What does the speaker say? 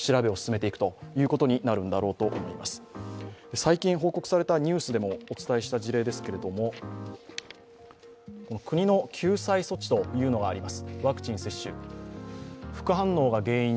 最近報告されたニュースでもお伝えした事例ですが国の救済措置というのがあります。